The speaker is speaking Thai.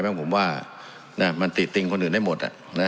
เพราะฉะนั้นผมว่ามันติดติ้งคนอื่นให้หมด